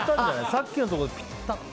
さっきのところでぴたっと。